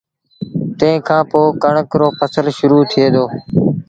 تنهن کآݩ پو ڪڻڪ رو ڦسل شرو ٿئي دو